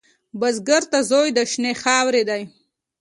بزګر ته زوی د شنې خاورې دی